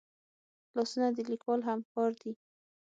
لاسونه د لیکوال همکار دي